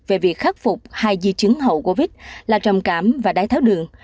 về việc khắc phục hai di chứng hậu covid là trầm cảm và đái tháo đường